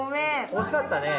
惜しかったねえ。